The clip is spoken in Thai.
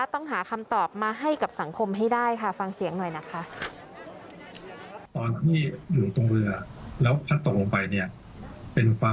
ต้องหาคำตอบมาให้กับสังคมให้ได้ค่ะฟังเสียงหน่อยนะคะ